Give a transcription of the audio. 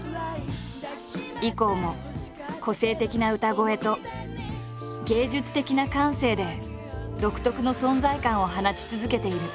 以降も個性的な歌声と芸術的な感性で独特の存在感を放ち続けている。